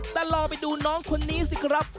แต่ลองไปดูน้องคนนี้สิครับ